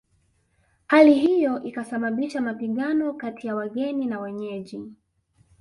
Hali hiyo ikasababisha mapigano kati ya wageni na wenyeji